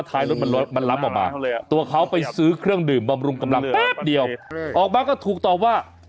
ตัวเขาไปซื้อเครื่องดื่มบำรุงกำลังแป๊บเดียวออกมาก็ถูกตอบว่า